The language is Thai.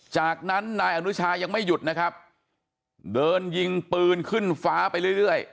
จากนั้นนายอนุชายังไม่หยุดนะครับเดินยิงปืนขึ้นฟ้าไปเรื่อย